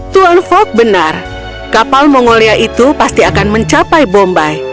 tuan fog benar kapal mongolia itu pasti akan mencapai bombay